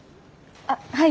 あっはい。